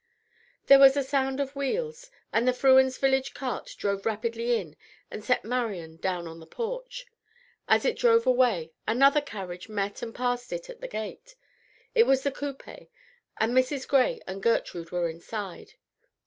There was a sound of wheels, and the Frewens' village cart drove rapidly in and set Marian down on the porch. As it drove away, another carriage met and passed it at the gate. It was the coupé, and Mrs. Gray and Gertrude were inside.